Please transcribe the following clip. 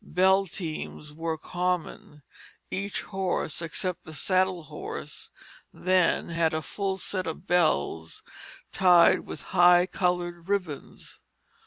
Bell teams were common; each horse except the saddle horse then had a full set of bells tied with high colored ribbons.